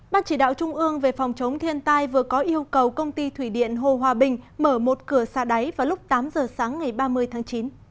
ban chỉ đạo trung ương về phòng chống thiên tai vừa có yêu cầu công ty thủy điện hồ hòa bình mở một cửa xa đáy vào lúc tám giờ sáng ngày ba mươi tháng chín